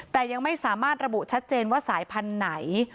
แต่ยังไม่สามารถระบุชัดเจนว่าสายพันธุ์ไหน